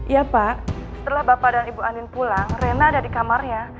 ya pak setelah bapak dan ibu anin pulang rena ada di kamarnya